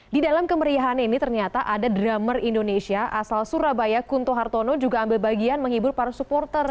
di dalam kemeriahan ini ternyata ada drummer indonesia asal surabaya kunto hartono juga ambil bagian menghibur para supporter